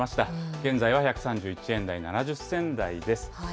現在は１３１円台７０銭台です。